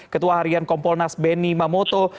ketua harian kompolnas beni mamoto